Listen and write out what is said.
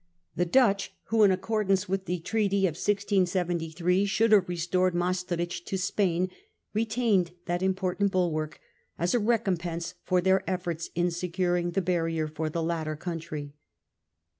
The Dutch, who in accordance with the treaty of 1673 should have restored Maestricht to Spain, retained that important bulwark as a recompense for their efforts in securing the barrier for the latter country.